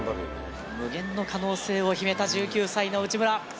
無限の可能性を秘めた１９歳の内村。